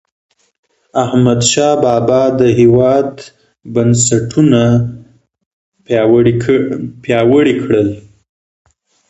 احمدشاه بابا د هیواد بنسټونه پیاوړي کړل.